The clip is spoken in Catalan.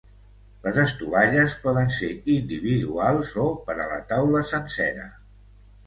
Les estovalles poden ser individuals o per a la taula sencera.